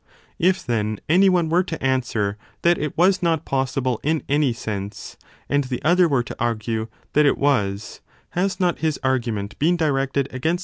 If, then, any one were to answer that it was not possible in any sense and the other were to argue that it was, has not his argument been directed against the 1 I7o b 40.